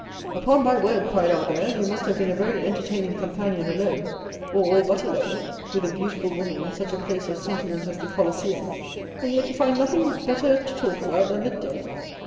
"Upon my word," cried Albert, "you must have been a very entertaining companion alone, or all but alone, with a beautiful woman in such a place of sentiment as the Colosseum, and yet to find nothing better to talk about than the dead!